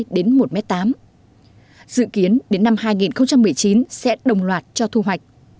dự kiến đến năm hai nghìn một mươi chín sẽ đồng loạt cho thu hoạch